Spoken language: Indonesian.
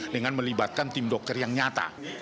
dengan melibatkan tim dokter yang nyata